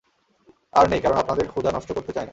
আর নেই, কারন আপনাদের ক্ষুধা নষ্ট করতে চাই না।